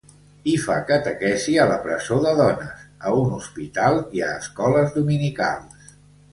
Hi fa catequesi a la presó de dones, a un hospital i a escoles dominicals.